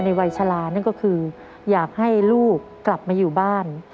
วัยชะลานั่นก็คืออยากให้ลูกกลับมาอยู่บ้าน